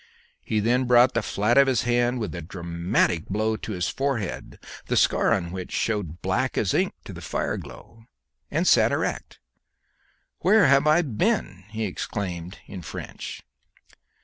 He then brought the flat of his hand with a dramatic blow to his forehead, the scar on which showed black as ink to the fire glow, and sat erect. "Where have I been?" he exclaimed in French.